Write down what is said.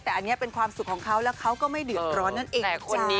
แต่อันนี้เป็นความสุขของเขาแล้วเขาก็ไม่เดือดร้อนนั่นเอง